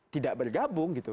tidak bergabung gitu